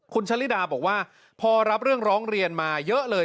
คุณชะลิดาบอกว่าพอรับเรื่องร้องเรียนมาเยอะเลย